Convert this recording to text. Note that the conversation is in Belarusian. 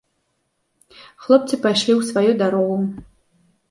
Хлопцы пайшлі ў сваю дарогу.